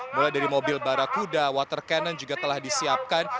mulai dari mobil barakuda water cannon juga telah disiapkan